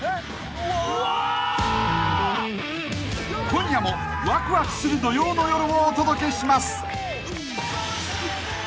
［今夜もわくわくする土曜の夜をお届けします］